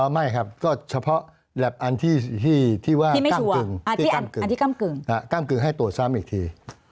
ไม่ครับก็เฉพาะแล็บอันที่ว่าก้ำกึ่งให้ตรวจซ้ำอีกที